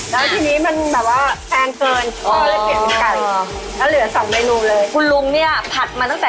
แล้วทีนี้มันแบบว่าแพงเกิน